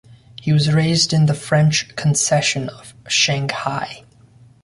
He was raised in the French Concession of Shanghai.